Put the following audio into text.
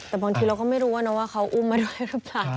แต่บางทีเราก็ไม่รู้ว่าเขาอุ้มมาด้วยหรือเปล่า